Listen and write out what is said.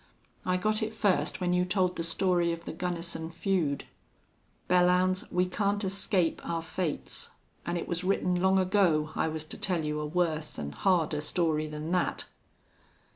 I got it first when you told the story of the Gunnison feud." "Belllounds, we can't escape our fates. An' it was written long ago I was to tell you a worse an' harder story than that."